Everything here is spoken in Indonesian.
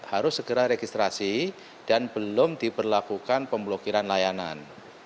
harus segera registrasi dan belum diberlakukan pemblokiran layanan